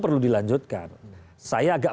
perlu dilanjutkan saya agak